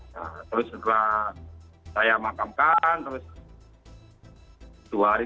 nah terus setelah saya mengakamkan saya lihat kembali ke rumah sakit dan dihidupkan di rumah sakit